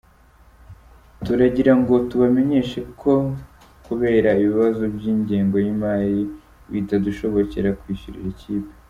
Turagira ngo tubamenyeshe ko kubera ibibazo by’ingengo y’imali, bitadushobokera kwishyurira ikipe.